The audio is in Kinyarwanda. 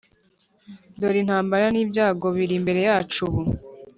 dore intambara n'ibyago biri imbere yacu ubu